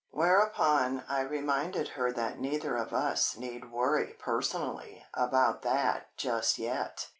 Whereupon I reminded her that neither of us need worry personally about that just yet!